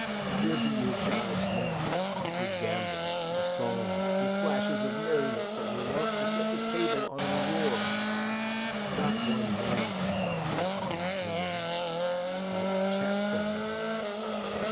Where be your jibes now? your gambols? your songs? your flashes of merriment that were wont to set the table on a roar? Not one now to mock your own grinning? quite chap fallen?